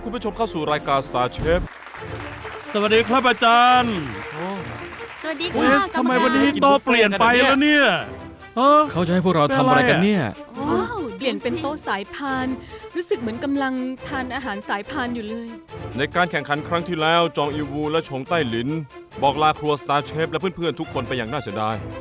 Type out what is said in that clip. เพื่อนทุกคนไปอย่างน่าเสียดาย